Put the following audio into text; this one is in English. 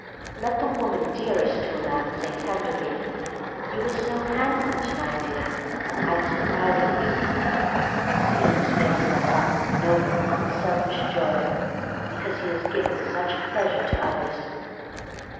Let the woman dearest to a man say, tenderly: "You were so handsome to night, dear I was proud of you." See his face light up with noble, unselfish joy, because he has given such pleasure to others!